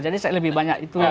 jadi saya lebih banyak itu